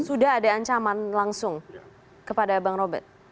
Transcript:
sudah ada ancaman langsung kepada bang robert